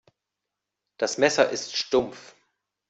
Das Messer ist stumpf.